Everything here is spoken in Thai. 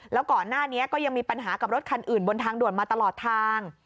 แล้วก่อนหน้านี้ก็ยังมีปัญหากับรถคันอื่นบนทางด่วนมาตลอดทาง